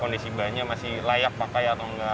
kondisi bannya masih layak pakai atau enggak